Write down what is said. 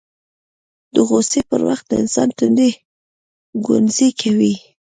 د غوسې پر وخت د انسان تندی ګونځې کوي